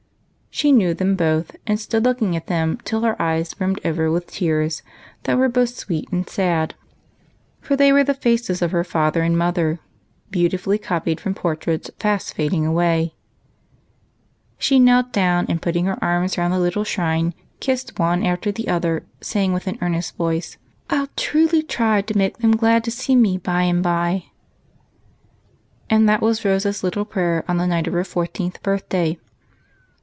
She knew them both, and stood looking at them till her eyes brimmed over with 'tears that were both sweet and sad ; for they were the faces of her father and mother, beautifully cojDied from portraits fast fading away. Presently she knelt down, and, putting her arms round the little shrine, kissed one after the other, saying with an earnest voice, " I '11 truly try to make them glad to see me by and by." And that was Rose's little prayer on the night of her fourteenth birthday.